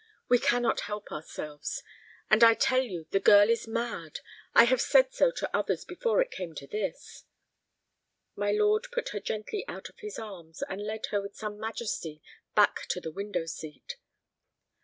We cannot help ourselves. And I tell you the girl is mad. I have said so to others before it came to this." My lord put her gently out of his arms, and led her with some majesty back to the window seat.